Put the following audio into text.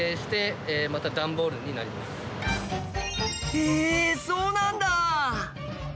へえそうなんだ。